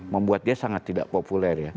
membuat dia sangat tidak populer ya